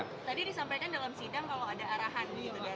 tadi disampaikan dalam sidang kalau ada arahan di negara